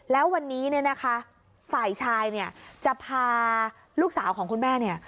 แล้ววันนี้เนี่ยนะคะฝ่ายชายเนี่ยจะพาลูกสาวของคุณแม่เนี่ย